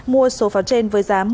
mua số pháo trên với giá